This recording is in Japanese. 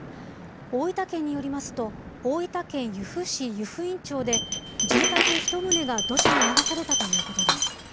大分県によりますと、大分県由布市湯布院町で、住宅１棟が土砂に流されたということです。